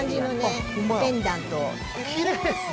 きれいですね。